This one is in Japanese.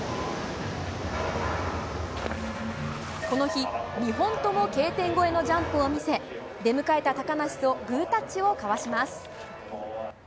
この日、２本ともＫ点越えのジャンプを見せ出迎えた高梨とグータッチを交わします。